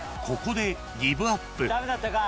ここでギブアップ］